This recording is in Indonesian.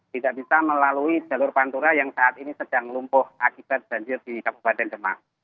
tidak bisa melalui jalur pantura yang saat ini sedang lumpuh akibat banjir di kabupaten demak